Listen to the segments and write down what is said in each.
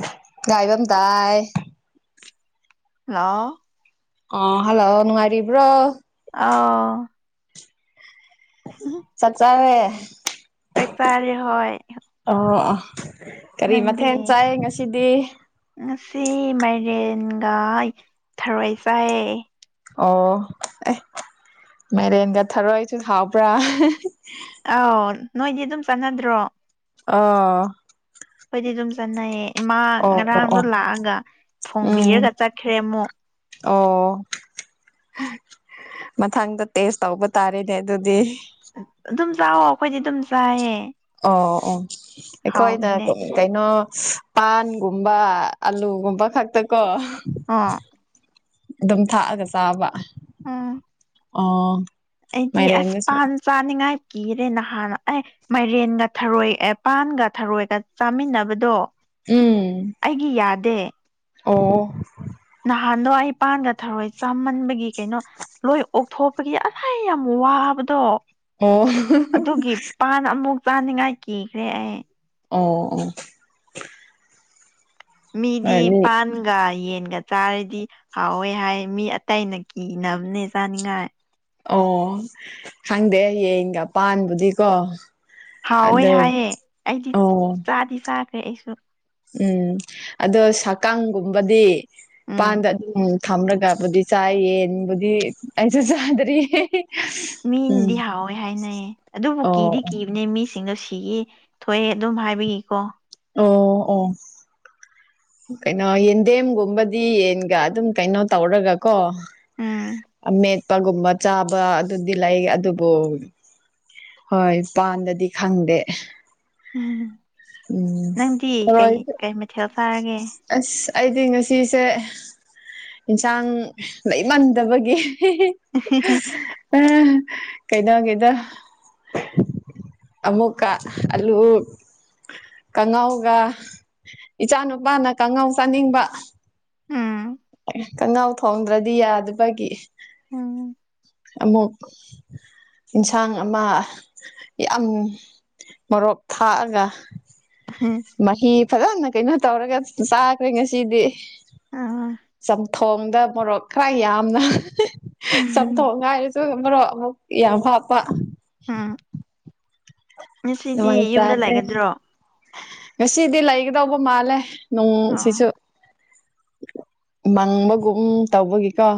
[unintelligible] ꯉꯥꯏꯕꯝ ꯇꯥꯏ ꯂꯧ ꯑ ꯍꯜꯂꯣ ꯉꯔꯤꯕ꯭ꯔꯣ ꯑꯥꯎ ꯆꯠ ꯆꯥꯔꯦ ꯆꯦꯛ ꯆꯥꯔ ꯍꯣꯏ ꯑꯣ ꯀꯔꯤ ꯅꯪꯗꯤ ꯃꯊꯦꯜ ꯆꯥꯏ ꯉꯁꯤꯗꯤ ꯁꯤ ꯃꯥꯏꯔꯦꯟꯒ ꯊꯔꯣꯏ ꯆꯥꯏ ꯑꯣ ꯑꯦ ꯃꯦꯔꯦꯟꯒ ꯊꯔꯣꯏꯁꯨ ꯍꯥꯎꯕ꯭ꯔꯥ ꯑꯥꯎ ꯅꯣꯏꯗꯤ ꯑꯗꯨꯝ ꯆꯥꯟꯅꯗ꯭ꯔꯣ ꯑ ꯈꯣꯏꯗꯤ ꯑꯗꯨꯝ ꯆꯠꯅꯩꯌꯦ ꯏꯃꯥ ꯑꯣ ꯉꯔꯥꯡꯗꯣ ꯑꯣ ꯂꯥꯛꯑꯒ ꯎꯝ ꯐꯣꯡꯕꯤꯔꯒ ꯆꯠꯈ꯭ꯔꯦ ꯑꯃꯨꯛ ꯑꯣ ꯃꯊꯪꯗ ꯇꯦꯁ ꯇꯧꯕ ꯇꯥꯔꯦꯅꯦ ꯑꯗꯨꯗꯤ ꯑꯗꯨꯝ ꯆꯥꯎꯥꯛꯑꯣ ꯑꯩꯈꯣꯏꯗꯤ ꯑꯗꯨꯝ ꯆꯥꯏꯌꯦ ꯑꯣ ꯑꯣ ꯑꯩꯈꯣꯏꯅ ꯍꯥꯎꯕꯅꯦ ꯀꯩꯅꯣ ꯄꯥꯟꯒꯨꯝꯕ ꯑꯂꯨꯒꯨꯝꯕ ꯈꯛꯇ ꯀꯣ ꯑꯥ ꯑꯗꯨꯝ ꯊꯥꯛꯑꯒ ꯆꯥꯕ ꯎꯝ ꯑꯣ ꯑꯩꯗꯤ ꯑꯁ ꯃꯥꯏꯔꯦꯟꯗꯁꯨ ꯄꯥꯟ ꯆꯥꯅꯤꯡꯉꯥꯏ ꯀꯤꯔꯦ ꯅꯍꯥꯟ ꯑꯦ ꯃꯥꯏꯔꯦꯟꯒ ꯊꯔꯣꯏ ꯑꯦ ꯄꯥꯟꯒ ꯊꯔꯣꯏꯒ ꯆꯥꯃꯤꯟꯅꯕꯗꯣ ꯎꯝ ꯗꯦ ꯑꯣ ꯅꯍꯥꯟꯗꯣ ꯑꯩ ꯄꯥꯟꯒ ꯊꯔꯣꯏ ꯆꯥꯃꯟꯕꯒꯤ ꯀꯩꯅꯣ ꯂꯣꯏ ꯑꯣꯛꯊꯣꯛꯄꯒꯤ ꯑꯁ ꯌꯥꯝ ꯋꯥꯕꯗꯣ ꯑꯣ ꯑꯣ ꯑꯗꯨꯒꯤ ꯄꯥꯟ ꯑꯃꯨꯛ ꯆꯥꯅꯤꯡꯉꯥꯏ ꯀꯤꯈ꯭ꯔꯦ ꯑꯩ ꯑꯣ ꯑꯣ ꯍꯣꯏ ꯃꯤꯗꯤ ꯃꯤ ꯄꯥꯟꯒꯥ ꯌꯦ ꯤꯟꯒ ꯆꯥꯔꯗꯤ ꯍꯥꯎꯋꯦ ꯍꯥꯏ ꯃꯤ ꯑꯇꯩꯅ ꯀꯤꯅꯕꯅꯦ ꯆꯥꯅꯤꯡꯉꯥꯏ ꯑꯣ ꯈꯪꯗꯦ ꯌꯦꯡꯒ ꯄꯥꯟꯕꯥꯟꯕꯨꯗꯤꯀꯣ ꯍꯥꯎꯋꯦ ꯍꯥꯏꯑꯦ ꯑꯩꯗꯤ ꯑꯣ ꯆꯥꯗꯤ ꯆꯥꯈ꯭ꯔꯦ ꯑꯩꯁꯨ ꯎꯝ ꯑꯗꯣ ꯁꯛꯀꯥꯡꯒꯨꯝꯕꯗꯤ ꯎꯝ ꯃꯄꯥꯟꯗ ꯑꯗꯨꯝ ꯊꯝꯂꯒꯕꯨꯗꯤ ꯆꯥꯏꯌꯦꯟꯕꯨꯗꯤ ꯑꯩꯁꯨ ꯆꯥꯗꯔꯤꯌꯦ ꯃꯤꯅꯗꯤ ꯍꯥꯎꯋꯦ ꯍꯥꯏꯅꯩ ꯑꯗꯨꯕꯨ ꯑꯣ ꯀꯤꯗꯤ ꯀꯤꯕꯅꯦ ꯃꯤ ꯁꯤꯡꯗꯣ ꯁꯤꯒꯤ ꯊꯣꯛꯑꯦ ꯑꯗꯨꯝ ꯍꯥꯏꯕꯤꯒꯤꯀꯣ ꯑꯣ ꯑꯣ ꯀꯩꯅꯣ ꯌꯦꯟꯗꯦꯝꯒꯨꯝꯕꯗꯤ ꯌꯦꯟꯒ ꯑꯗꯨꯝ ꯀꯩꯅꯣ ꯇꯧꯔꯒ ꯀꯣ ꯎꯝ ꯦꯠꯄꯒꯨꯝꯕ ꯆꯥꯕ ꯑꯗꯨꯗꯤ ꯂꯩ ꯑꯗꯨꯕꯨ ꯍꯣꯏ ꯏ ꯄꯄꯥꯟꯗꯗꯤ ꯈꯪꯗꯦ ꯎꯝ ꯎꯝ ꯅꯪꯗꯤ ꯀꯩ ꯀꯩ ꯃꯊꯦꯜ ꯆꯥꯔꯒꯦ ꯑꯁ ꯑꯩꯗꯤ ꯉꯁꯤꯁꯦ ꯏꯟꯁꯥꯡ ꯂꯩꯃꯟꯗꯕꯒꯤ ꯎꯝ ꯀꯩꯅꯣꯒꯤꯗ ꯑꯃꯨꯛꯀ ꯑꯂꯨ ꯀꯥꯡꯉꯥꯎꯒ ꯏꯆꯥ ꯅꯨꯨꯄꯥꯅ ꯀꯥꯡꯉꯥꯎ ꯆꯥꯅꯤꯡꯕ ꯎꯝ ꯀꯅꯥꯎ ꯊꯣꯡꯗ꯭ꯔꯗꯤ ꯌꯥꯗꯕꯒꯤ ꯎꯝ ꯑꯃꯃꯛ ꯌꯦꯟꯁꯥꯡ ꯑꯃ ꯌꯥꯝ ꯃꯔꯣꯛ ꯊꯥꯛꯑꯒ ꯎꯝ ꯃꯍꯤ ꯐꯖꯅ ꯀꯩꯅꯣ ꯇꯧꯔꯒ ꯆꯥꯈ꯭ꯔꯦ ꯉꯁꯤꯗꯤ ꯑꯥ ꯆꯊꯣꯡꯗ ꯃꯣꯔꯣꯛ ꯈꯔ ꯌꯥꯝꯅ ꯎꯝ ꯆꯝꯊꯣꯡ ꯍꯥꯏꯔꯁꯨ ꯃꯣꯔꯣꯛ ꯌꯥ ꯄꯥꯄꯥ ꯎꯝ ꯉꯁꯤꯗꯤ ꯌꯨꯝꯗ ꯃꯥꯏꯁꯔꯦ ꯂꯩꯒꯗ꯭ꯔꯣ ꯈꯁꯤꯂꯒ ꯇꯧꯕ ꯃꯥꯜꯂꯦ ꯅꯨꯡ ꯑꯣ ꯁꯤꯁꯨ ꯃꯪꯕꯒꯨꯝ ꯇꯧꯕꯒꯤꯀꯣ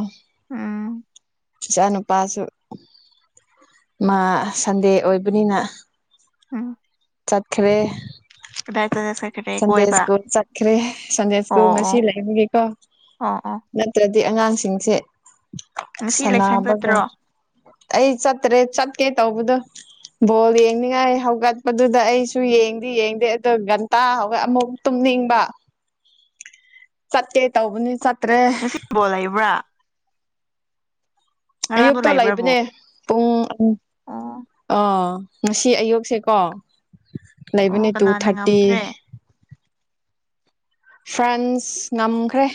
ꯎꯝ ꯏꯆꯥ ꯅꯨꯨꯄꯥꯁꯨ ꯃꯥ ꯁꯟꯗꯦ ꯑꯣꯏꯕꯅꯤꯅ ꯑꯥ ꯆꯈ꯭ꯔꯦ ꯀ ꯁꯟꯗꯦ ꯁ꯭ꯀꯨꯜ ꯆꯠꯈ꯭ꯔꯦ ꯁꯟꯗꯦ ꯑꯣ ꯁ꯭ꯀꯨꯜ ꯑꯣ ꯉꯁꯤ ꯂꯩꯕꯒꯦꯀꯣ ꯑꯣ ꯑꯣ ꯅꯠꯇ꯭ꯔ ꯑꯗꯤ ꯑꯉꯥꯡꯁꯤꯡꯁꯦ ꯉꯁꯤ ꯂꯩꯁꯪ ꯆꯠꯇ꯭ꯔꯣ ꯁꯅꯥꯕꯒ ꯑꯩ ꯆꯠꯇ꯭ꯔꯦ ꯆꯠ ꯀꯦ ꯇꯧꯕꯗꯣ ꯕꯣꯜ ꯌꯦꯡꯅꯤꯡꯉꯥꯏ ꯍꯧꯒꯠꯄꯗꯨꯗ ꯑꯩꯁꯨ ꯌꯦꯡꯗꯤ ꯌꯦꯡꯗꯦ ꯑ ꯇꯥꯍꯒ ꯑꯃꯨꯛ ꯇꯨꯝꯅꯤꯡꯕ ꯆꯠꯀꯦ ꯇꯧꯕꯅꯤ ꯆꯠꯇ꯭ꯔꯦ ꯉꯁꯤꯕꯣ ꯂꯩꯕ꯭ꯔꯥ ꯉꯔꯥꯡꯗꯣ ꯑꯌꯨꯛꯇꯣ ꯂꯩꯕ꯭ꯔꯥꯕꯣ ꯂꯩꯕꯅꯦ ꯄꯨꯡ ꯑꯣ ꯑꯥ ꯉꯁꯤ ꯑꯌꯨꯛꯁꯦꯀꯣ ꯂꯩꯕꯅꯤ ꯑꯣ ꯇꯨ ꯀꯅꯥꯅ ꯊꯥꯔꯇꯤ ꯉꯝꯈ꯭ꯔꯦ ꯐ꯭ꯔꯦꯟꯁ ꯉꯝꯈ꯭ꯔꯦ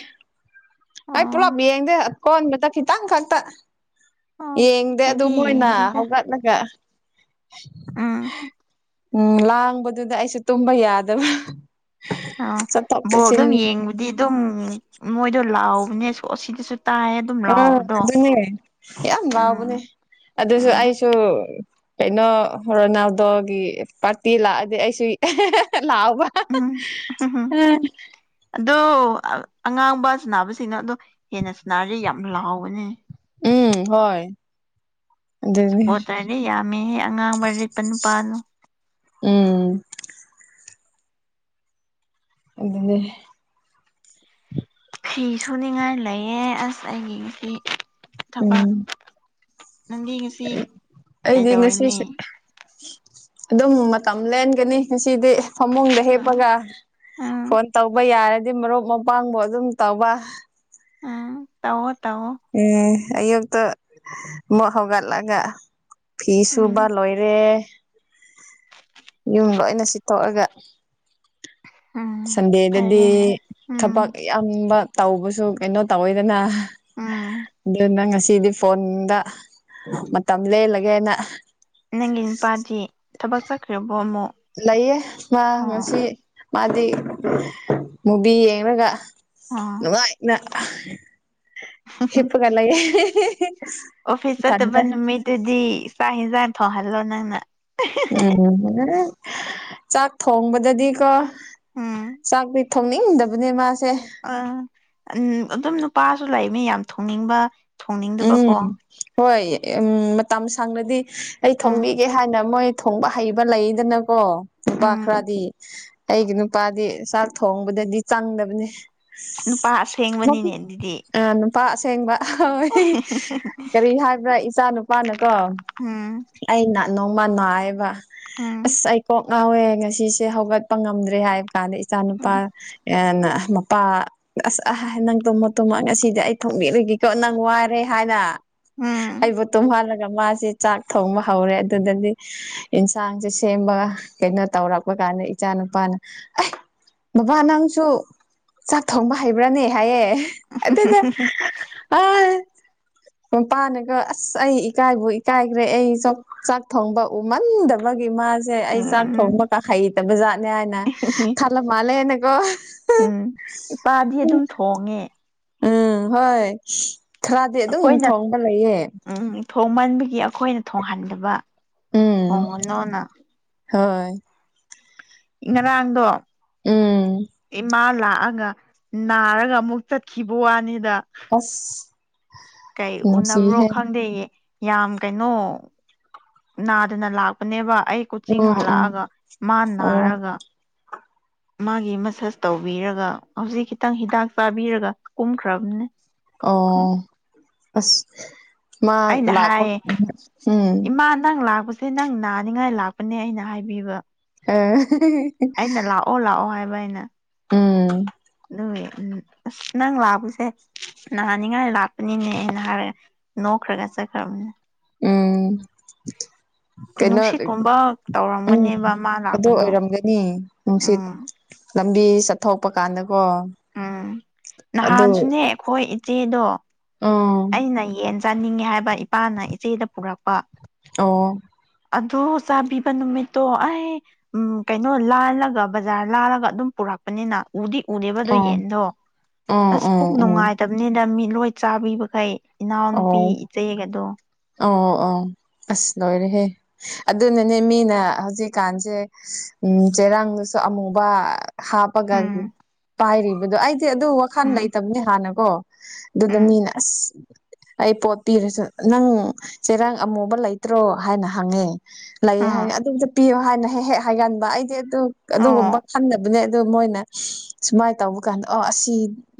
ꯑꯩ ꯄꯨꯂꯞ ꯑꯣ ꯌꯦꯡꯗꯦ ꯀꯣꯟꯕꯗ ꯈꯤꯇꯪ ꯈꯛꯇ ꯑꯣ ꯌꯦꯡꯗꯦ ꯑꯗꯨ ꯑꯩꯗꯤ ꯃꯣꯏꯅ ꯌꯦꯡꯗꯦꯗ ꯍꯧꯒꯠꯂꯒ ꯎꯝ ꯎꯝ ꯂꯥꯡꯕꯗꯨꯗ ꯑꯩꯁꯨ ꯇꯨꯝꯕ ꯌꯥꯗꯕ꯭ꯔꯥ ꯑ ꯕꯣꯜ ꯑꯗꯨꯝ ꯌꯦꯡꯕꯗꯤ ꯑꯗꯨꯝ ꯃꯣꯏꯗꯣ ꯂꯥꯎꯕꯅꯦ ꯑꯁꯤꯗꯁꯨ ꯑꯥ ꯑꯗꯨꯅꯦ ꯌꯥꯝ ꯋꯥꯎꯕꯅꯦ ꯎꯝ ꯑꯗꯨꯁꯨ ꯎꯝ ꯑꯩꯁꯨ ꯀꯩꯅꯣ ꯔꯣꯅꯥꯜꯗꯣꯒꯤ ꯄꯥꯔꯇꯤ ꯂꯥꯛꯑꯗꯤ ꯑꯩꯁꯨ ꯂꯥꯎꯕ ꯎꯝ ꯎꯝ ꯑꯗꯣ ꯑꯉꯥꯡꯕ ꯁꯅꯕꯁꯤꯡꯅꯣ ꯑꯗꯣ ꯍꯦꯟꯅ ꯁꯅꯔꯁꯦ ꯌꯥꯝ ꯂꯥꯎꯕꯅꯦ ꯎꯝ ꯍꯣꯏ ꯑꯗꯨꯅꯤ ꯁꯄꯣꯠꯇꯔꯗꯤ ꯌꯥꯝꯃꯦꯍꯦ ꯑꯉꯥꯡꯕ ꯔꯤꯠꯄ ꯅꯨꯄꯥꯅꯨ ꯎꯝ ꯑꯗꯨꯅꯤ ꯐꯤ ꯁꯨꯅꯤꯡꯉꯥꯏ ꯂꯩꯌꯦ ꯑꯁ ꯑꯩꯒꯤ ꯉꯁꯤ ꯎꯝ ꯊꯕꯛ ꯅꯪꯗꯤ ꯉꯁꯤ ꯑꯩꯗꯤ ꯀꯩꯗꯧꯔꯅꯤ ꯉꯁꯤꯁꯨ ꯑꯗꯨꯝ ꯃꯇꯝ ꯂꯦꯟꯒꯅꯤ ꯉꯁꯤ ꯏꯗꯤ ꯐꯃꯨꯡꯗ ꯎꯝ ꯍꯦꯞꯄꯒ ꯎꯝ ꯐꯣꯟ ꯇꯧꯕ ꯌꯥꯔ ꯗꯤ ꯃꯔꯨꯞ ꯃꯄꯥꯡꯕꯨ ꯑꯗꯨꯝ ꯇꯧꯕ ꯎꯝ ꯇꯧꯑꯣ ꯎꯝ ꯑꯌꯨꯛꯛꯇ ꯃꯨꯛ ꯍꯧꯒꯜꯠꯂꯒ ꯐꯤꯁꯨꯕ ꯎꯝ ꯂꯣꯏꯔꯦ ꯌꯨꯝ ꯂꯣꯏꯅ ꯁꯤꯠꯇꯣꯛꯑꯒ ꯎꯝ ꯁꯟꯗꯦꯗꯗꯤ ꯐꯔꯦꯅꯦ ꯊꯕꯛ ꯎꯝ ꯌꯥꯝꯕ ꯇꯧꯕꯁꯨ ꯀꯩꯅꯣ ꯇꯧꯋꯤꯗꯅ ꯎꯝ ꯑꯗꯨꯅ ꯉꯁꯤꯗꯤ ꯐꯣꯟꯗ ꯃꯇꯝ ꯂꯦꯜꯂꯒꯦꯅ ꯅꯪꯒꯤ ꯅꯨꯄꯥꯗꯤ ꯊꯕꯛ ꯆꯠꯈ꯭ꯔꯕꯣ ꯑꯃꯨꯛ ꯂꯩꯌꯦ ꯃꯥ ꯑꯣ ꯉꯁꯤ ꯃꯥꯗꯤ ꯃꯨꯚꯤ ꯌꯦꯡꯔꯒ ꯑꯣ ꯅꯨꯡꯉꯥꯏꯅ ꯍꯤꯞꯄꯒ ꯂꯩꯌꯦ ꯑꯣꯐꯤꯁ ꯆꯠꯇꯕ ꯏꯊꯟꯇ ꯅꯨꯃꯤꯠꯇꯨꯗꯤ ꯆ ꯍꯦꯖꯥꯡ ꯊꯣꯡꯍꯜꯂꯣ ꯅꯪꯅ ꯎꯝ ꯆꯥꯛ ꯊꯣꯡꯕꯗꯗꯤꯀꯣ ꯎꯝ ꯆꯥꯛ ꯄꯤ ꯊꯣꯡꯅꯤꯡ ꯗꯕꯅꯦ ꯃꯥꯁꯦ ꯑ ꯎ ꯑꯗꯨꯝ ꯅꯨꯄꯥꯁꯨ ꯂꯩꯅꯤ ꯌꯥꯝ ꯊꯣꯡꯅꯤꯡꯕ ꯊꯣꯡꯅꯤꯡꯗꯕꯀꯣ ꯎꯝ ꯍꯣꯏ ꯎꯝ ꯃꯇꯝ ꯁꯥꯡꯅꯗꯤ ꯑꯩ ꯎꯝ ꯊꯣꯡꯕꯤꯒꯦ ꯍꯥꯏꯅ ꯃꯣꯏ ꯊꯣꯡꯕ ꯍꯩꯕ ꯂꯩꯗꯅꯀꯣ ꯅꯨꯄꯥ ꯎꯝ ꯈꯔꯗꯤ ꯑꯩꯒꯤ ꯅꯨꯄꯥꯗꯤ ꯆꯥꯛ ꯊꯣꯡꯕꯗꯗꯤ ꯆꯪꯗꯕꯅꯤ ꯅꯨꯄꯥ ꯑꯁꯦꯡꯕꯅꯤꯅꯦ ꯑꯗꯨꯗꯤ ꯑ ꯅꯨꯄꯥ ꯑꯁꯦꯡꯕ ꯍꯣꯏ ꯀꯔꯤ ꯍꯥꯏꯕ꯭ꯔꯥ ꯏꯆꯥ ꯅꯨꯄꯥꯅꯀꯣ ꯎꯝ ꯑꯩꯅ ꯅꯣꯡꯃ ꯅꯥꯏꯕ ꯎꯝ ꯑꯁ ꯑꯩꯀꯣꯛ ꯑꯥꯎꯋꯦ ꯉꯁꯤꯁꯦ ꯍꯧꯒꯠꯄ ꯉꯝꯗ꯭ꯔꯦ ꯍꯥꯏꯕ ꯀꯥꯟꯗ ꯏꯆꯥ ꯅꯨꯨꯄꯥ ꯎꯝ ꯃꯄꯥ ꯑꯁ ꯑꯥ ꯅꯪ ꯇꯣꯃꯣ ꯇꯣꯃ ꯉꯁꯤꯗꯤ ꯑꯩ ꯊꯣꯛꯅꯤꯡꯔꯒꯦꯀꯣ ꯅꯪ ꯋꯥꯏ ꯔꯦ ꯍꯥꯏꯅ ꯎꯝ ꯑꯩꯕꯨ ꯇꯨꯝꯍꯜꯂ ꯃꯥꯁꯦ ꯆꯥꯛ ꯊꯣꯡꯕ ꯍꯧꯔꯦ ꯑꯗꯨꯗꯗꯤ ꯌꯦꯟꯁꯥꯡꯁꯦ ꯁꯦꯝꯕꯒ ꯀꯩꯅꯣ ꯇꯧꯔꯛꯄ ꯀꯥꯟꯅ ꯏꯆꯥ ꯅꯨꯄꯥꯅ ꯕꯕꯥ ꯅꯪꯁꯨ ꯆꯥꯛ ꯊꯣꯡꯕ ꯍꯩꯕ꯭ꯔꯥꯅꯦ ꯍꯥꯏꯌꯦ ꯑꯗꯨꯗ ꯑ ꯃꯄꯥꯅꯒ ꯑꯁ ꯑꯩ ꯏꯀꯥꯏꯕꯨ ꯏꯀꯥꯏꯈ꯭ꯔꯦ ꯑꯩ ꯆꯥꯛ ꯊꯣꯡꯕ ꯎꯃꯟꯗꯕ ꯏ ꯃꯥꯥꯁꯦ ꯑꯩ ꯆꯥꯛ ꯊꯣꯡꯕ ꯎꯝ ꯀꯥꯈꯩꯇꯕ ꯖꯥꯠꯅꯦ ꯍꯥꯏꯅ ꯈꯜꯂꯝ ꯃꯥꯜꯂꯦꯅꯀꯣ ꯎꯝ ꯏꯄꯥꯗꯤ ꯑꯗꯨꯝ ꯊꯣꯡꯉꯦ ꯎꯝ ꯍꯣꯏ ꯈꯔꯗꯤ ꯑꯗꯨꯝ ꯑꯩꯈꯣꯏꯅ ꯊꯣꯡꯕ ꯂꯩꯌꯦ ꯎꯝ ꯊꯣꯡꯃꯟꯕꯒꯤ ꯑꯩꯈꯣꯏꯅ ꯊꯣꯡꯍꯟꯗꯕ ꯎꯝ ꯊꯣꯡꯉꯅꯣꯅ ꯍꯣꯏ ꯏ ꯉꯗꯔꯥꯡꯗꯣ ꯎꯝ ꯏꯃ ꯂꯥꯛꯑꯒ ꯅꯥꯔꯒ ꯑꯃꯨꯛ ꯆꯠꯈꯤꯕꯨ ꯋꯥꯅꯤꯗ ꯑꯁ ꯀꯩ ꯎꯅꯕ꯭ꯔꯣ ꯅꯨꯡꯁꯤꯍꯦ ꯈꯪꯗꯦꯌꯦ ꯌꯥꯝ ꯀꯩꯅꯣ ꯅꯥꯗꯅ ꯂꯥꯛꯄꯅꯦꯕ ꯑꯩ ꯀꯨꯆꯤꯡ ꯎꯝ ꯎꯝ ꯍꯜꯂꯛꯑꯒ ꯃꯥ ꯑꯣ ꯅꯥꯔꯒ ꯃꯥꯒꯤ ꯃꯁꯥꯁ ꯇꯧꯕꯤꯔꯒ ꯍꯧꯖꯤꯛ ꯈꯤꯇꯪ ꯍꯤꯗꯥꯛ ꯆꯥꯕꯤꯔꯒ ꯀꯨꯝꯈ꯭ꯔꯝꯅꯦ ꯑꯣ ꯑꯁ ꯃꯥ ꯑꯩꯅ ꯂꯥꯛꯄ ꯍꯥꯏꯌꯦ ꯎꯝ ꯁꯤ ꯅꯪ ꯅꯥꯅꯤꯡꯉꯥꯏ ꯂꯥꯛꯄꯅꯦ ꯑꯩꯅ ꯍꯥꯏꯕꯤꯕ ꯑꯥ ꯑꯩꯅ ꯂꯥꯛꯑꯣ ꯂꯥꯛꯑꯣ ꯍꯥꯏꯕ ꯑꯩꯅ ꯎꯝ ꯑꯗꯨ ꯑꯁ ꯅꯪ ꯂꯥꯛꯄꯁꯦ ꯅꯍꯥꯟꯅꯤꯡꯉꯥꯏ ꯂꯥꯛꯄꯅꯤꯅꯦꯅ ꯍꯥꯏꯔ ꯑꯣ ꯈ꯭ꯔꯔꯒꯁ ꯈꯔꯅ ꯎꯝ ꯀꯩꯅꯣ ꯅꯨꯡꯁꯤꯠꯀꯨꯝꯕ ꯎꯝ ꯇꯧꯔꯝꯒꯅꯦꯕ ꯃꯥ ꯑꯗꯨ ꯂꯥꯛꯄꯗꯣ ꯑꯣꯏꯔꯝꯒꯅꯤ ꯅꯨꯡꯁꯤꯠ ꯎꯝ ꯂꯝꯕꯤ ꯆꯠꯊꯣꯛꯄ ꯀꯥꯟꯗ ꯎꯝ ꯅꯍꯥꯟꯁꯨꯅꯦ ꯑꯩꯈꯣꯏ ꯏꯆꯦꯗꯣ ꯎꯝ ꯑꯩꯅ ꯌꯦꯟꯁ ꯆꯥꯅꯤꯡꯉꯦ ꯍꯥꯏꯕ ꯏꯄꯥꯅ ꯏꯆꯦꯗ ꯄꯨꯔꯛꯄ ꯑꯣ ꯑꯗꯨ ꯆꯥꯕꯤꯕ ꯅꯨꯃꯤꯠꯇꯣ ꯑꯩ ꯎꯝ ꯀꯩꯅꯣ ꯂꯥꯜꯂꯒ ꯕꯖꯥꯔ ꯂꯥꯜꯂꯒ ꯑꯗꯨꯝ ꯄꯨꯔꯛ ꯥꯛꯄꯅꯤꯅ ꯎꯗꯤ ꯎꯗꯦꯕꯗꯣ ꯑꯣ ꯌꯦꯟꯗꯣ ꯎꯝ ꯑꯁ ꯄꯨꯛ ꯎꯝ ꯎꯝ ꯅꯨꯡꯉꯥꯏꯇꯕꯅꯤꯗ ꯃꯤ ꯂꯣꯏ ꯆꯥꯕꯤꯕꯈꯩ ꯏꯅꯥꯎꯅꯨꯄꯤ ꯑꯣ ꯏꯆꯦꯒꯗꯣ ꯑꯣ ꯑꯣ ꯑꯁ ꯂꯣꯏꯔ ꯍꯦ ꯑꯗꯨꯅꯅꯦ ꯃꯤꯅ ꯍꯧꯖꯤꯛꯀꯥꯟꯁꯦ ꯎ ꯆꯩꯔꯥꯡꯗꯨꯁꯨ ꯑꯃꯨꯕ ꯍꯥꯞꯄꯒ ꯎꯝ ꯄꯥꯏꯔꯤꯕꯗꯣ ꯑꯩꯗꯤ ꯑꯗꯨ ꯋꯥꯈꯜ ꯎꯝ ꯂꯩꯇꯕꯅꯦ ꯍꯥꯟꯅ ꯑꯣ ꯑꯗꯨꯅ ꯎꯝ ꯃꯤꯅ ꯑꯁ ꯑꯩ ꯄꯣꯠ ꯄꯤꯔꯁꯨ ꯅꯪ ꯆꯦꯔꯥꯡ ꯑꯃꯨꯕ ꯂꯩꯇ꯭ꯔꯣ ꯍꯥꯏꯅ ꯍꯪꯉꯦ ꯂꯩ ꯑꯥ ꯍꯥꯏꯅ ꯑꯗꯨꯝꯇ ꯄꯤꯌꯣ ꯍꯥꯏꯅ ꯍꯦꯛ ꯍꯦꯛ ꯍꯥꯏꯒꯟꯕ ꯑꯩꯗꯤ ꯑꯗꯨ ꯑꯗꯨꯒꯨꯝꯕ ꯑꯣ ꯈꯟꯗꯕꯅꯦ ꯑꯗꯨꯗ ꯃꯣꯏꯅ ꯁꯨꯃꯥꯏꯅ ꯇꯧꯕ ꯀꯥꯟꯗ ꯑꯣ ꯑꯁꯤ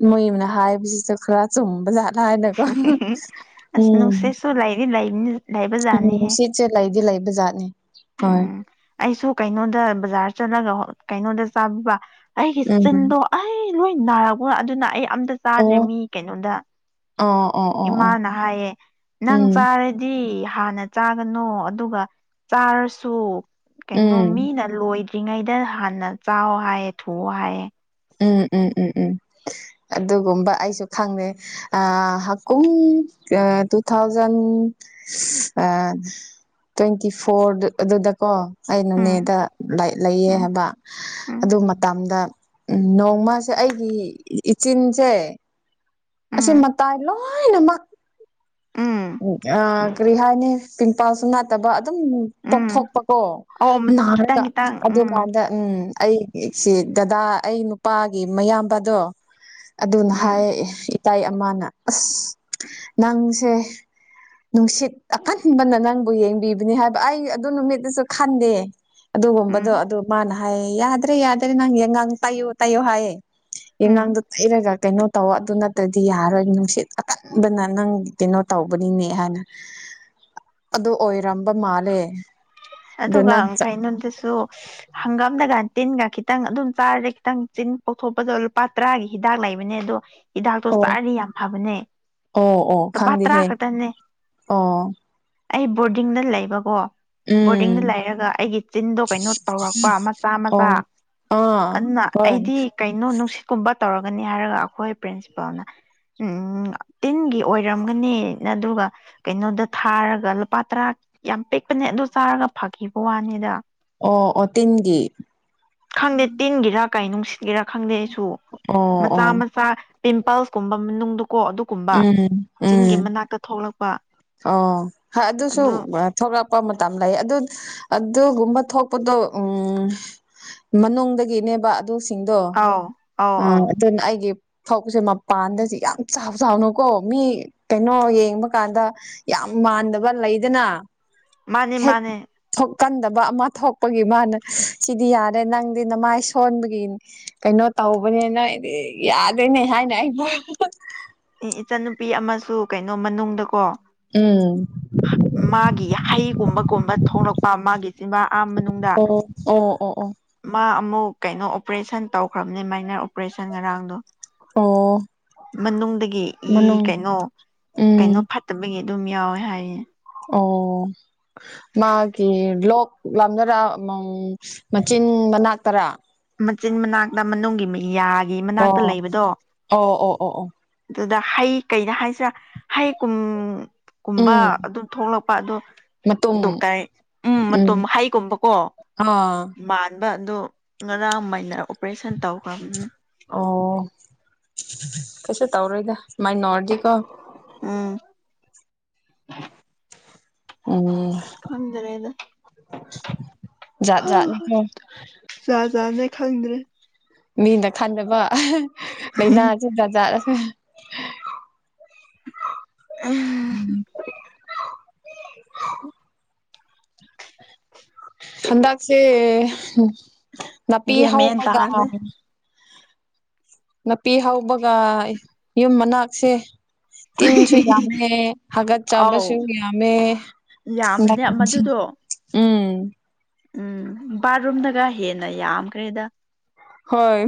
ꯃꯣꯏꯅ ꯍꯥꯏꯕꯁꯤꯗ ꯈꯔ ꯆꯨꯝꯕ ꯌꯥꯠꯦ ꯂꯥꯏꯅꯦꯀꯣ ꯑꯁ ꯅꯅꯨꯡꯁꯦꯁꯨꯣ ꯂ ꯂ ꯂꯥꯏꯕꯖꯅꯤ ꯍ ꯑꯩꯗꯤ ꯂꯩꯕ ꯖꯥꯠꯅꯤ ꯍꯣꯏ ꯎꯝ ꯑꯩꯁꯨ ꯀꯩꯅꯣꯗ ꯕꯖꯥꯔ ꯆꯠꯂꯒ ꯀꯩꯅꯣꯗ ꯆꯥꯕꯤꯕ ꯑꯩꯒꯤ ꯎꯝ ꯆꯤꯟꯗꯣ ꯑꯩ ꯂꯣꯏ ꯅꯥꯛꯔꯕ꯭ꯔꯣ ꯑꯗꯨꯅ ꯑꯩ ꯑꯝꯇ ꯆꯥꯗ꯭ꯔꯦ ꯑꯣ ꯃꯤ ꯀꯩꯅꯣꯗ ꯑꯣ ꯑꯣ ꯑꯣ ꯑꯣ ꯏꯃꯥꯅ ꯍꯥꯏꯌꯦ ꯅꯪ ꯎꯝ ꯆꯥꯔꯗꯤ ꯍꯥꯟꯅ ꯆꯥꯒꯅꯣ ꯑꯗꯨꯒ ꯆꯥꯔꯁꯨ ꯀꯩꯅꯣ ꯎꯝ ꯃꯤꯅ ꯂꯣꯏꯗ꯭ꯔ ꯂ꯭ꯔꯤꯉꯩꯗ ꯍꯥꯟꯅ ꯆꯥꯎꯋ ꯍꯥꯏꯌꯦ ꯊꯨꯑꯣ ꯍꯥꯏꯌꯦ ꯎꯝ ꯎꯝ ꯎꯝ ꯎꯝ ꯑꯗꯨꯒꯨꯝꯕ ꯑꯩꯁꯨ ꯈꯪꯅꯦ ꯍꯥꯀꯨꯝ ꯇꯨ ꯊꯥꯎꯖꯟ ꯇ꯭ꯋꯦꯟꯇꯤ ꯐꯣꯔ ꯑꯗꯨꯗꯀꯣ ꯎꯝ ꯑꯩꯅꯅꯦꯗ ꯂꯩꯌꯦ ꯎꯝ ꯍꯥꯏꯕ ꯎꯝ ꯑꯗꯨ ꯃꯇꯝꯗ ꯎꯝ ꯅꯣꯡꯃꯁꯦ ꯑꯩꯒꯤ ꯏꯆꯤꯟꯁꯦ ꯑꯁꯤ ꯎꯝ ꯃꯇꯥꯏꯂꯣ ꯂꯣꯏꯅꯃ ꯎꯝ ꯎꯝ ꯅꯨꯄꯥꯁꯨ ꯅꯥꯠꯇꯕ ꯑꯗꯨꯝ ꯎꯝ ꯇꯣꯛꯊꯣꯛꯄꯀꯣ ꯑꯣ ꯅꯥꯔꯒ ꯈꯤꯇꯪ ꯈꯤꯇꯪ ꯎꯝ ꯑꯗꯨꯀꯥꯟꯗ ꯎꯝ ꯑꯩꯒꯤꯁꯤ ꯗꯗꯥ ꯑꯩ ꯅꯨꯄꯥꯒꯤ ꯃꯌꯥꯝꯕꯗꯣ ꯑꯗꯨꯅ ꯎꯝ ꯍꯥꯏ ꯏꯇꯥꯏ ꯑꯃꯅ ꯑꯁ ꯅꯪꯁꯦ ꯅꯨꯡꯁꯤꯠ ꯑꯀꯟꯕꯅ ꯅꯪꯕꯨ ꯌꯦꯡꯕꯤꯕꯅꯤ ꯍꯥꯏꯕ ꯑꯩ ꯑꯗꯨ ꯅꯨꯃꯤꯠꯇꯁꯨ ꯈꯟꯗꯦ ꯎꯝ ꯑꯗꯨꯒꯨꯝꯕꯗꯣ ꯑꯗꯨ ꯃꯥꯅ ꯍꯥꯏꯌꯦ ꯌꯥꯗ꯭ꯔꯦ ꯌꯥꯗ꯭ꯔꯦ ꯅꯪꯉꯥꯡ ꯇꯥꯏꯌꯣ ꯇꯥꯏꯌꯣ ꯍꯥꯏꯌꯦ ꯎꯝ ꯉꯪꯗꯣ ꯇꯩꯔꯒ ꯀꯩꯅꯣ ꯇꯧ ꯑꯗꯨ ꯅꯠꯇ꯭ꯔꯗꯤ ꯌꯥꯔꯔꯣꯏ ꯅꯨꯡꯁꯤꯠ ꯑꯀꯟꯕꯅ ꯅꯪ ꯀꯩꯅꯣ ꯇꯧꯕꯅꯤꯅꯦ ꯍꯥꯏꯅ ꯑꯗꯨ ꯑꯣꯏꯔꯝꯕ ꯃꯥꯜꯂꯦ ꯑꯗꯨ ꯑꯗꯨꯒ ꯅꯪ ꯆꯠ ꯀꯩꯅꯣꯗꯁꯨ ꯍꯪꯒꯥꯝ ꯝꯗꯒ ꯇꯤꯟꯒ ꯈꯤꯇꯪ ꯑꯗꯨꯝ ꯆꯥꯔ ꯈꯤꯇꯪ ꯇꯤꯟ ꯄꯣꯛꯊꯣꯛꯄꯗꯣ ꯂꯨꯄꯥ ꯇꯔꯥꯒꯤ ꯍꯤꯗꯥꯛ ꯂꯩꯕꯅꯦ ꯑꯗꯣ ꯍꯤꯗꯥꯛꯇꯣ ꯑꯣ ꯆꯥꯔꯗꯤ ꯌꯥꯝ ꯐꯕꯅꯦ ꯑꯣ ꯑꯣ ꯂꯨꯄꯥ ꯇꯔꯥ ꯈꯪꯗꯦꯍꯦ ꯈꯛꯇꯅꯦ ꯑꯣ ꯑꯩ ꯕꯣꯔꯗꯤꯡꯗ ꯂꯩꯕꯀꯣ ꯕꯣꯔꯗꯤꯡꯗ ꯎꯝ ꯂꯩꯔꯒ ꯑꯩꯒꯤ ꯆꯤꯟꯗꯣ ꯀꯩꯅꯣ ꯇꯧꯔꯛꯄ ꯃꯆꯥ ꯑꯣ ꯃꯆꯥ ꯑꯥ ꯑꯗꯨꯅ ꯍꯣꯏ ꯑꯩꯗꯤ ꯀꯩꯅꯣ ꯅꯨꯡꯁꯤꯠꯀꯨꯝꯕ ꯇꯧꯔꯒꯅꯤ ꯍꯥꯏꯔꯒ ꯑꯩꯈꯣꯏ ꯄ꯭ꯔꯤꯟꯁꯤꯄꯥꯜꯅ ꯎꯝ ꯇꯤꯟꯒꯤ ꯑꯣꯏꯔꯝꯒꯅꯤ ꯑꯗꯨꯒ ꯀꯩꯅꯣꯗ ꯊꯥꯔꯒ ꯂꯨꯄꯥ ꯇꯔꯥ ꯌꯥꯝ ꯄꯤꯛꯄꯅꯦ ꯑꯗꯨ ꯆꯥꯔꯒ ꯐꯈꯤꯕ ꯋꯥꯅꯤꯗ ꯑꯣ ꯑꯣ ꯇꯤꯟꯒꯤ ꯈꯪꯗꯦ ꯇꯤꯟꯒꯤꯔꯥ ꯀꯩ ꯅꯨꯡꯁꯤꯠꯒꯤꯦꯔꯥ ꯈꯪꯗꯦ ꯑꯩꯁꯨ ꯑꯣ ꯃꯆꯥ ꯑꯣ ꯃꯆꯥ ꯄꯤꯝꯄꯜꯁꯀꯨꯝꯕ ꯃꯅꯨꯡꯗꯀꯣ ꯑꯗꯨꯒꯨꯝꯕ ꯎꯝ ꯆꯤꯟꯒꯤ ꯎꯝ ꯃꯅꯥꯛꯇ ꯊꯣꯛꯂꯛꯄ ꯑꯣ ꯑꯗꯨꯁꯨ ꯑꯗꯨ ꯊꯛ ꯊꯣꯛꯄ ꯃꯇꯝ ꯂꯩ ꯑꯗꯨ ꯑꯗꯨꯒꯨꯝꯕ ꯊꯣꯛꯄꯗꯣ ꯎ ꯃꯅꯨꯡꯗꯒꯤꯅꯦꯕ ꯑꯗꯨꯁꯤꯡꯗꯣ ꯑꯧ ꯑꯧ ꯑꯧ ꯑꯗꯨꯅ ꯑꯩꯒꯤ ꯐꯧꯁꯦ ꯃꯄꯥꯟꯗꯗꯤ ꯌꯥꯝ ꯆ ꯆꯥꯎꯥꯎꯅꯨꯀꯣ ꯃꯤ ꯀꯩꯅꯣ ꯌꯦꯡꯕ ꯀꯥꯟꯗ ꯌꯥꯝ ꯃꯥꯟꯗꯕ ꯂꯩꯗꯅ ꯃꯥꯅꯦ ꯃꯥꯅꯦ ꯀꯟꯗꯕ ꯑꯃ ꯊꯣꯛꯄꯒꯤ ꯃꯥꯅ ꯁꯤꯗꯤ ꯌꯥꯔꯦ ꯅꯪꯗꯤ ꯅꯃꯥꯏ ꯁꯣꯟꯕꯒꯤ ꯀꯩꯅꯣ ꯇꯧꯕꯅꯤ ꯅ ꯑꯩꯗꯤ ꯌꯥꯗꯣꯏꯅꯦ ꯍꯥꯏꯅ ꯑꯩꯕꯨ ꯏꯆꯟꯅꯨꯄꯤ ꯑꯃꯁꯨ ꯀꯩꯅꯣ ꯃꯅꯨꯡꯗꯀꯣ ꯎꯝ ꯃꯥꯒꯤ ꯍꯩꯒꯨꯝꯕꯒꯨꯝꯕ ꯊꯣꯛꯂꯛꯄ ꯃꯥꯒꯤ ꯆꯤꯕꯥ ꯑꯥ ꯃꯅꯨꯡꯗ ꯑꯣ ꯑꯣ ꯑꯣ ꯑꯣ ꯃꯥ ꯑꯃ ꯀꯩꯅꯣ ꯑꯣꯄꯔꯦꯁꯟ ꯇꯧꯈ꯭ꯔꯕꯅꯦ ꯃꯥꯏꯅꯔ ꯑꯣꯄꯔꯦꯁꯟ ꯉꯔꯥꯡꯗꯣ ꯑꯣ ꯃꯅꯨꯡꯗꯒꯤ ꯃꯅꯨꯡ ꯀꯩꯅꯣ ꯀꯩꯅꯣ ꯎꯝ ꯐꯠꯇꯕꯒꯤ ꯑꯗꯨꯝ ꯌꯥꯎꯋꯦ ꯍꯥꯏꯌꯦ ꯑꯣ ꯃꯥꯒꯤ ꯂꯣꯛ ꯂꯥꯝꯅꯔ ꯃꯆꯤꯟ ꯃꯅꯥꯛꯇꯔꯥ ꯃꯆꯤꯟ ꯃꯅꯥꯛꯇ ꯃꯅꯨꯡꯒꯤ ꯃꯤꯌꯥꯒꯤ ꯃꯅꯥꯛꯇ ꯑꯣ ꯂꯩꯕꯗꯣ ꯑꯣ ꯑꯣ ꯑꯣ ꯑꯣ ꯑꯗꯨꯗ ꯍꯩ ꯀꯩꯅ ꯍꯥꯏꯁꯤꯔꯥ ꯍꯩ ꯀꯨꯝ ꯨꯝꯕ ꯎꯝ ꯑꯗꯨꯝ ꯊꯣꯛꯂꯛꯄ ꯑꯗꯣ ꯃꯇꯨꯝ ꯗꯣꯛꯇꯔ ꯎꯝ ꯃꯇꯣꯝ ꯍꯩꯒꯨꯝꯕꯀꯣ ꯑꯥ ꯃꯥꯟꯕ ꯑꯗꯣ ꯉꯔꯥꯡꯃꯥꯏꯅ ꯑꯣꯄꯔꯦꯁꯟ ꯇꯧꯈ꯭ꯔꯕꯅꯤꯅ ꯑꯣ ꯀꯩꯁꯨ ꯇꯧꯔꯣꯏꯗ ꯁꯨꯃꯥꯏ ꯅꯧꯔꯗꯤꯀꯣ ꯎꯝ ꯎꯝ ꯑꯁ ꯈꯪꯗ꯭ꯔꯦꯗ ꯖꯥꯠ ꯖꯥꯠꯅꯤꯀꯣ ꯖꯥꯠ ꯖꯥꯠꯅꯦ ꯈꯪꯗ꯭ꯔꯦ ꯃꯤꯅ ꯈꯟꯗꯕ ꯂꯥꯏꯅꯥꯁꯦ ꯕꯖꯥꯔ ꯎꯝ ꯍꯟꯗꯛꯁꯦ ꯅꯥꯄꯤ ꯒ꯭ꯌꯥꯟ ꯃꯦꯟ ꯍꯧꯕꯒ ꯇꯥꯗꯦ ꯅꯥꯄꯤ ꯍꯥꯎꯕꯒ ꯌꯨꯝ ꯃꯅꯥꯛꯁꯦ ꯇꯤꯟꯁꯨ ꯌꯥꯝꯃꯦ ꯍꯥꯒꯠ ꯑꯧ ꯆꯥꯕꯁꯨ ꯌꯥꯝꯃꯦ ꯍ ꯌꯥꯝꯕꯅꯦ ꯃꯗꯨꯗꯣ ꯎꯝ ꯎꯝ ꯕꯥꯠꯔꯨꯝꯗꯒ ꯍꯦꯟꯅ ꯌꯥꯝꯈ꯭ꯔꯦꯗ ꯍꯣꯏ